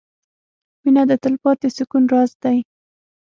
• مینه د تلپاتې سکون راز دی.